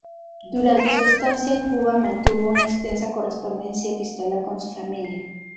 Durante su estancia en Cuba mantuvo una extensa correspondencia epistolar con su familia.